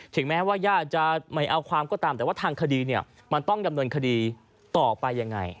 แม้ว่าย่าจะไม่เอาความก็ตามแต่ว่าทางคดีเนี่ยมันต้องดำเนินคดีต่อไปยังไง